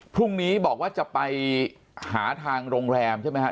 พรุ่งนี้บอกว่าจะไปหาทางโรงแรมใช่ไหมครับ